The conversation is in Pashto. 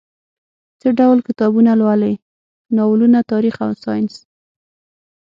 څه ډول کتابونه لولئ؟ ناولونه، تاریخ او ساینس